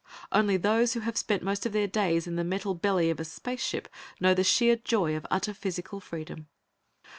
Only those who have spent most of their days in the metal belly of a space ship know the sheer joy of utter physical freedom.